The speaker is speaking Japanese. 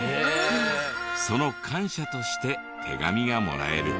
その感謝として手紙がもらえる。